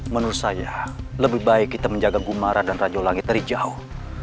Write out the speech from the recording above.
menurut saya lebih baik kita menjaga gumara dan raju langit dari jauh